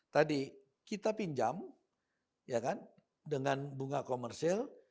tadi kita pinjam ya kan dengan bunga komersil